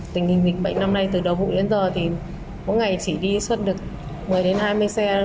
tình hình bệnh năm nay từ đầu vụ đến giờ thì mỗi ngày chỉ đi xuất được một mươi đến hai mươi xe